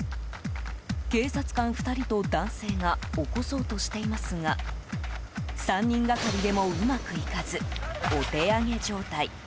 警察官２人と男性が起こそうとしていますが３人がかりでもうまくいかずお手上げ状態。